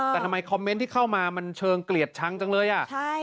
แต่ทำไมคอมเมนต์ที่เข้ามามันเชิงเกลียดชังจังเลยอ่ะใช่